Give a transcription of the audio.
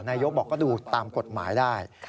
นายกบอกก็ดูตามกฎหมายได้